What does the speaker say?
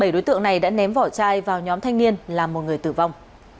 bảy đối tượng này đã ném vỏ chai vào nhóm thanh niên làm một người tử vong